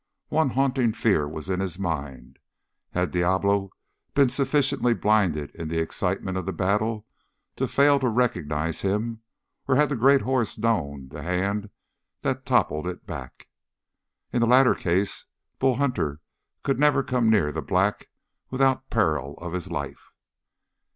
One haunting fear was in his mind. Had Diablo been sufficiently blinded in the excitement of the battle to fail to recognize him, or had the great horse known the hand that toppled it back? In the latter case Bull Hunter could never come near the black without peril of his life.